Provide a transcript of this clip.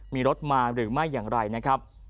มีรถมาหรือไม่อย่างไรนะครับ